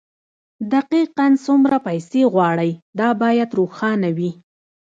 دقيقاً څومره پيسې غواړئ دا بايد روښانه وي.